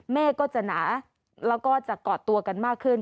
เมฆก็จะหนาแล้วก็จะก่อตัวกันมากขึ้น